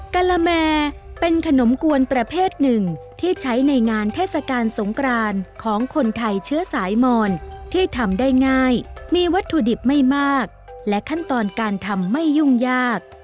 กะละแมเป็นขนมกวนประเภทหนึ่งที่ใช้ในงานเทศกาลสงกรานของคนไทยเชื้อสายมอนที่ทำได้ง่ายมีวัตถุดิบไม่มากและขั้นตอนการทำไม่ยุ่งยาก